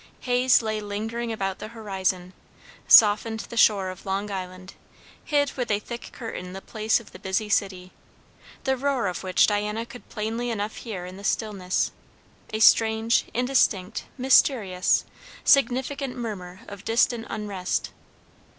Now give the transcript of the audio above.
Haze lay lingering about the horizon, softened the shore of Long Island, hid with a thick curtain the place of the busy city, the roar of which Diana could plainly enough hear in the stillness, a strange, indistinct, mysterious, significant murmur of distant unrest.